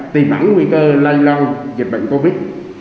tìm ẩn nguy cơ lây lòng dịch bệnh covid